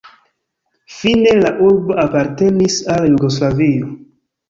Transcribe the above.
Fine la urbo apartenis al Jugoslavio.